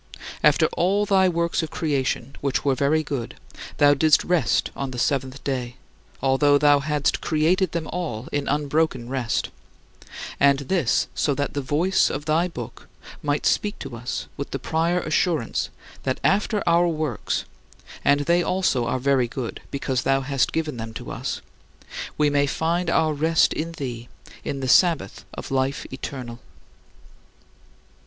After all thy works of creation, which were very good, thou didst rest on the seventh day, although thou hadst created them all in unbroken rest and this so that the voice of thy Book might speak to us with the prior assurance that after our works and they also are very good because thou hast given them to us we may find our rest in thee in the Sabbath of life eternal.